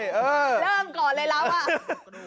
เริ่มก่อนเลยแล้วอ่ะ